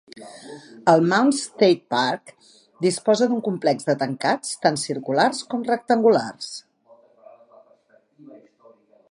El Mounds State Park disposa d'un complex de tancats, tan circulars com rectangulars.